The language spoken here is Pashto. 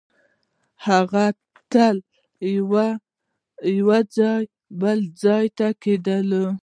هغوی تل له یوه ځایه بل ځای ته کډېدل.